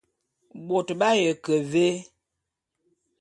Bôt b'aye ke vé?